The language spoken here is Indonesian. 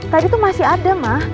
tadi tuh masih ada mah